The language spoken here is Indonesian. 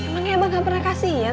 emangnya abah gak pernah kasihan